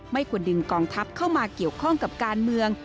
ไม่ควรดึงกองทัพเข้ามาเกี่ยวข้องกับการเมือง